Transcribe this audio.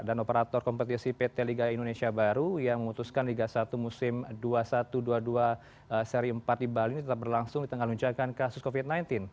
operator kompetisi pt liga indonesia baru yang memutuskan liga satu musim dua ribu satu dua puluh dua seri empat di bali ini tetap berlangsung di tengah lunjakan kasus covid sembilan belas